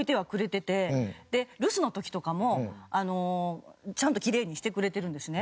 留守の時とかもちゃんとキレイにしてくれてるんですね。